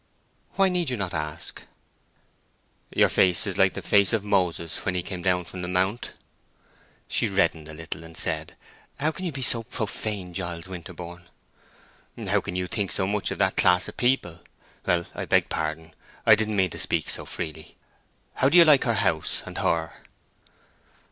"Why need you not ask?" "Your face is like the face of Moses when he came down from the Mount." She reddened a little and said, "How can you be so profane, Giles Winterborne?" "How can you think so much of that class of people? Well, I beg pardon; I didn't mean to speak so freely. How do you like her house and her?"